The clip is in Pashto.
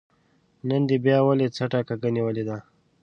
نن دې بيا ولې څټه کږه نيولې ده